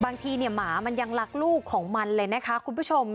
บางทีเนี่ยหมามันยังรักลูกของมันเลยนะคะคุณผู้ชม